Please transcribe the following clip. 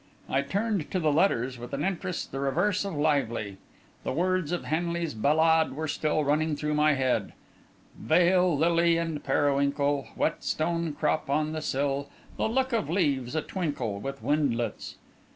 I turned to the letters with an interest the reverse of lively. The words of Henley's ballade were still running through my head "Vale lily and periwinkle; Wet stone crop on the sill; The look of leaves a twinkle With windlets